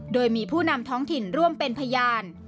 โดยมีผู้นำท้องถิ่นร่วมเป็นพยาน